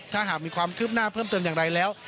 ถ้าหากมีความคืบหน้าเพิ่มเติมอย่างไรแล้ว